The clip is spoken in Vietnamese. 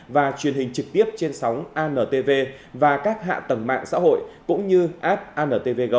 và truyền hình trực tiếp trên sóng antv và các hạ tầng mạng xã hội cũng như app antvg